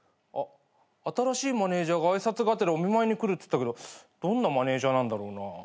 あっ新しいマネージャーが挨拶がてらお見舞いに来るっつってたけどどんなマネージャーなんだろうな。